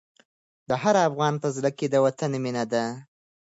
د هر افغان په زړه کې د وطن مینه ده.